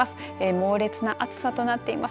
猛烈な暑さとなっています。